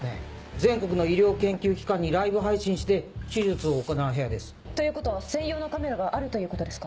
全国の医療研究機関にライブ配信して手術を行う部屋です。ということは専用のカメラがあるということですか？